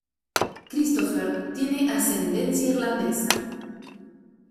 Christopher tiene ascendencia irlandesa.